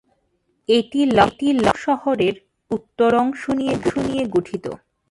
এটি লখনউ শহরের উত্তর অংশ নিয়ে গঠিত।